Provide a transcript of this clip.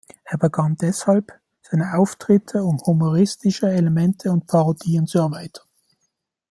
Er begann deshalb, seine Auftritte um humoristische Elemente und Parodien zu erweitern.